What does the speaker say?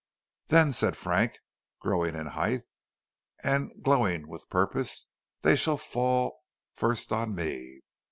"Then," said Frank, growing in height and glowing with purpose, "they shall fall first on me."